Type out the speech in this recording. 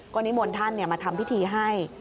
นิมนต์ท่านมาทำพิธีให้